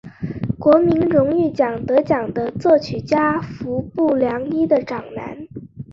国民荣誉奖得奖的作曲家服部良一的长男。